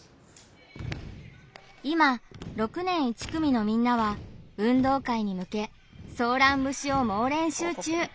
今６年１組のみんなは運動会に向けソーラン節を猛練習中。